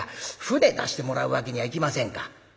舟出してもらうわけにはいきませんか？」。